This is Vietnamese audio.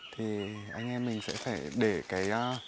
thì anh em mình sẽ phải để cái